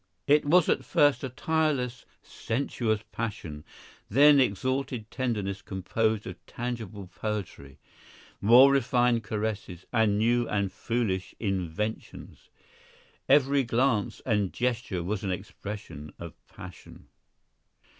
It was at first a tireless, sensuous passion, then exalted tenderness composed of tangible poetry, more refined caresses, and new and foolish inventions. Every glance and gesture was an expression of passion.